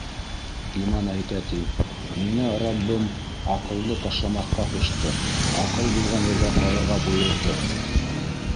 Иман әйтә ти: «Миңә Раббым аҡылды ташламаҫҡа ҡушты, аҡыл булған ерҙә ҡалырға бойорҙо!»